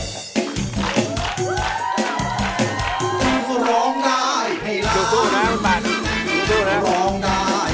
เก่งมาก